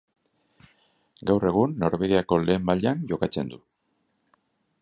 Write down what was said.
Gaur egun Norvegiako lehen mailan jokatzen du.